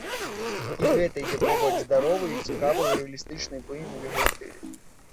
І гэта ідзе побач з здароваю і цікаваю, рэалістычнай плынню ў яго стылі.